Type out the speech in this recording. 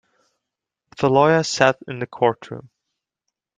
The lawyer sat in the courtroom.